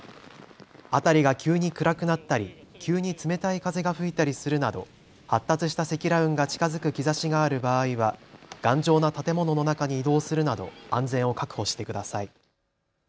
辺りが急に暗くなったり急に冷たい風が吹いたりするなど発達した積乱雲が近づく兆しがある場合は頑丈な建物の中に移動するなど安全を確保してください。